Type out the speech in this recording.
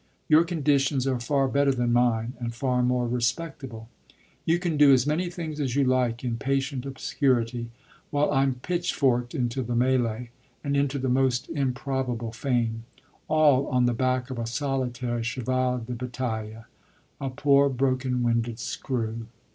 Your conditions are far better than mine and far more respectable: you can do as many things as you like in patient obscurity while I'm pitchforked into the mêlée and into the most improbable fame all on the back of a solitary cheval de bataille, a poor broken winded screw.